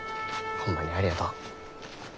ホンマにありがとう。